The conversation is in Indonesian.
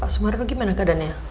pak sumarno gimana keadaannya